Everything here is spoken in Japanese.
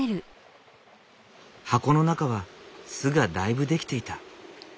箱の中は巣がだいぶ出来ていた。